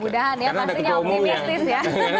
mudahan ya pastinya optimistis ya